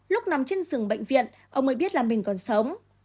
lúc nằm trên rừng bệnh viện ông mới biết là mình còn sống